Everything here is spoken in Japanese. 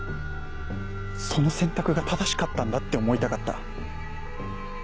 その選択が正しかったんだって思いたかった。